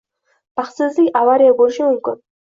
Baxtsizlik avariya bo'lishi mumkin.